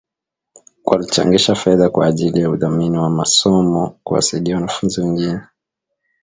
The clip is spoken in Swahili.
Walichangisha fedha kwa ajili ya udhamini wa masomo kuwasaidia wanafunzi wengine